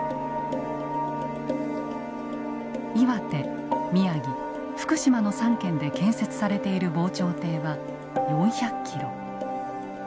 岩手宮城福島の３県で建設されている防潮堤は４００キロ。